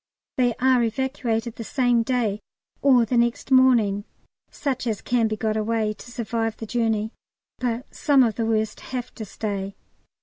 They are evacuated the same day or the next morning, such as can be got away to survive the journey, but some of the worst have to stay.